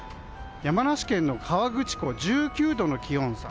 山梨県の河口湖は１９度の気温差。